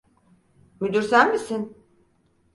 Müdür sen misin?